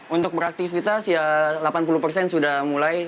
untuk beraktifitas ya delapan puluh sudah mulai